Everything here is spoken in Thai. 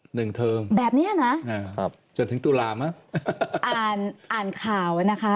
หนึ่งเทิมแบบเนี้ยน่ะครับจนถึงตุลาม่ะอ่านอ่านข่าวนะคะ